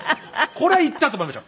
これはいったと思いました。